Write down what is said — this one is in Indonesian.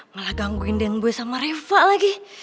malah gangguin den boy sama reva lagi